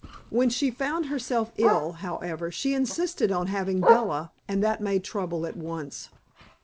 When she found herself ill, however, she insisted on having Bella, and that made trouble at once.